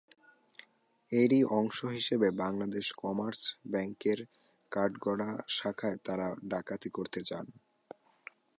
এরই অংশ হিসেবে বাংলাদেশ কমার্স ব্যাংকের কাঠগড়া শাখায় তারা ডাকাতি করতে যান।